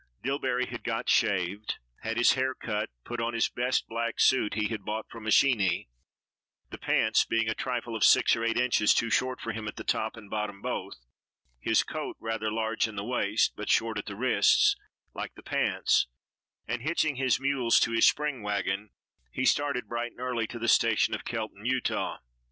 Dillbery had got shaved, had his hair cut, put on his best black suit he had bought from a Sheeny, the pants being a trifle of six or eight inches too short for him at the top and bottom both, his coat rather large in the waist, but short at the wrists like the pants; and hitching his mules to his spring wagon, he started bright and early to the station of Kelton, Utah.